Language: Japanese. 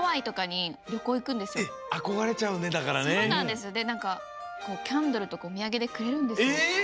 でなんかキャンドルとかおみやげでくれるんですよ。え！？